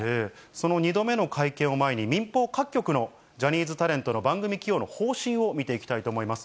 その２度目の会見を前に、民放各局のジャニーズタレントの番組起用の方針を見ていきたいと思います。